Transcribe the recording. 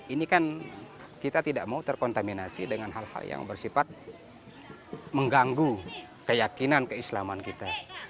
ini kan kita tidak mau terkontaminasi dengan hal hal yang bersifat mengganggu keyakinan keislaman kita